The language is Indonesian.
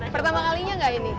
pertama kalinya gak ini